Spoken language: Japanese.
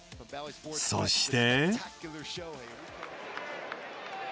そして。